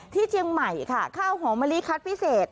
เชียงใหม่ค่ะข้าวหอมมะลิคัดพิเศษ